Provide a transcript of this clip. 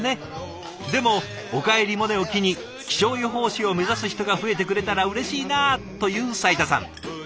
でも「おかえりモネ」を機に気象予報士を目指す人が増えてくれたらうれしいなという斉田さん。